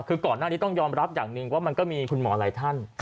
คือก่อนหน้านี้ต้องยอมรับอย่างหนึ่งว่ามันก็มีคุณหมอหลายท่าน